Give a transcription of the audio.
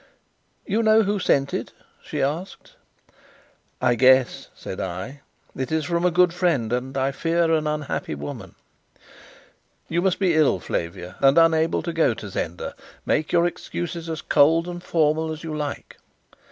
"You know who sent it?" she asked. "I guess," said I. "It is from a good friend and I fear, an unhappy woman. You must be ill, Flavia, and unable to go to Zenda. Make your excuses as cold and formal as you like."